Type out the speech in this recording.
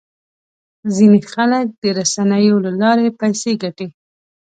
ځینې خلک د رسنیو له لارې پیسې ګټي.